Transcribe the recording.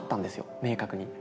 明確に。